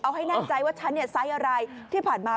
เอาให้แน่ใจว่าฉันเนี่ยไซส์อะไรที่ผ่านมา